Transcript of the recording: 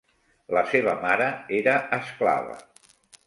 La seva mare era esclava.